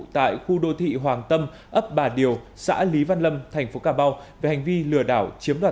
tại khu đô thị hoàng tâm ấp bà điều xã lý văn lâm thành phố cà mau về hành vi lừa đảo chiếm đoạt